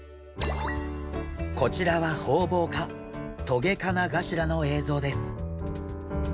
こちらはホウボウ科トゲカナガシラの映像です。